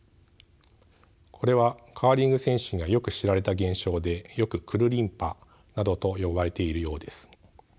これはカーリング選手にはよく知られた現象でよくクルリンパなどと呼ばれているようです。